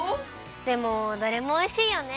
でもどれもおいしいよね。